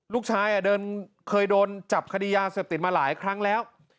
ลูกชายเคยโดนจับคดียาเสพติดมาหลายครั้งแล้ว